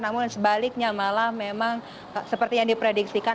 namun sebaliknya malah memang seperti yang diprediksikan